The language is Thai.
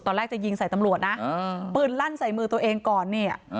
ตอนแรกจะยิงใส่ตำรวจนะปืนลั่นใส่มือตัวเองก่อนเนี่ย